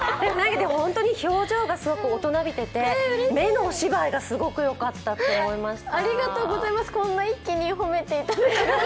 でも本当に表情が大人びていて目のお芝居がすごく良かったと思いました。